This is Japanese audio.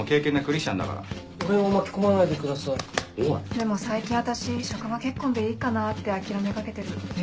でも最近私職場結婚でいいかなって諦めかけてる。え？